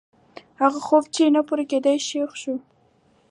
هغه خوب چې نه پوره کېده، ښخ شو.